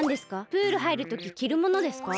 プールはいるとききるものですか？